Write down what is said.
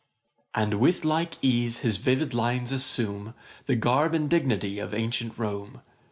'And with like ease his vivid lines assume The garb and dignity of ancient Rome.